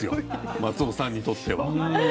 松尾さんにとっては。